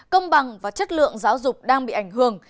công bằng và chất lượng giáo dục đang bị ảnh hưởng